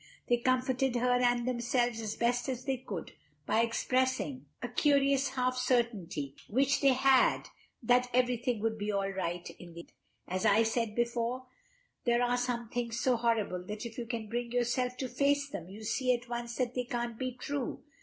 They comforted her and themselves as best they could by expressing a curious half certainty which they had that everything would be all right in the end. As I said before, there are some things so horrible that if you can bring yourself to face them you see at once that they can't be true.